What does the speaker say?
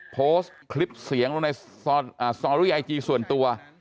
โพสต์คลิปเสียงลงในสตอรี่ไอจีส่วนตัว